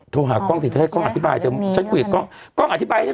โทรหากล้องสิเธอให้กล้องอธิบายเธอ